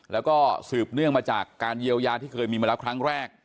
แล้วก็สืบเนื่องมาจากการเยียวยาที่เคยมีมาแล้วครั้งแรก